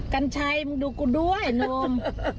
กันชัยมันดูกูด้วยโน่ม